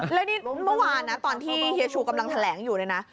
แล้วนี่เมื่อวานนะตอนที่เฮียชูกำลังแถลงอยู่เลยนะ